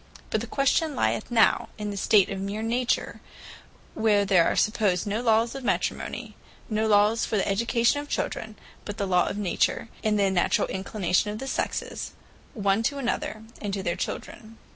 But the question lyeth now in the state of meer Nature; where there are supposed no lawes of Matrimony; no lawes for the Education of Children; but the Law of Nature, and the naturall inclination of the Sexes, one to another, and to their children.